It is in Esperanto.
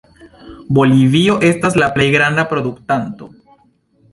Bolivio estas la plej granda produktanto.